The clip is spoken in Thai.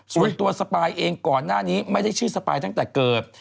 ส่วนตัวสปายเองก่อนหน้านี้ไม่ได้ชื่อสปายตั้งแต่เกิด